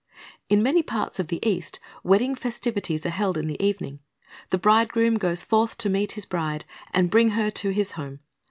In many parts of the East, wedding festivities are held in the ex'ening. The bridegroom goes forth to meet his bride, and bring her to his home.